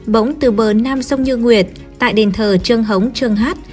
bỗng từ bờ nam sông như nguyệt tại đền thờ trương hống trương hát